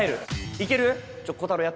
いける？